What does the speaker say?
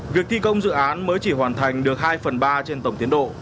việc thi công dự án mới chỉ hoàn thành được hai phần ba trên tổng tiến độ